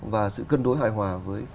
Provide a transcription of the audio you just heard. và sự cân đối hài hòa với